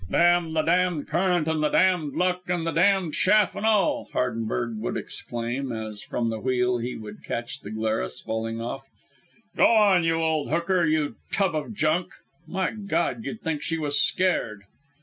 "Damn the damned current and the damned luck and the damned shaft and all," Hardenberg would exclaim, as from the wheel he would catch the Glarus falling off. "Go on, you old hooker you tub of junk! My God, you'd think she was scared!"